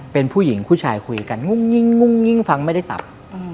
เป็นผู้หญิงผู้ชายคุยกันงุ้งงุ้งอิ๊งฟังไม่ได้ทรัพย์